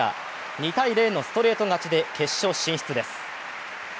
２−０のストレート勝ちで決勝進出です。